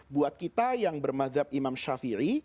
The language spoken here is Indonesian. buat kita yang bermadhab imam ⁇ shafiri